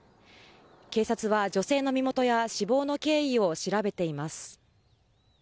警察は女性の身元や死亡の経緯を調べています。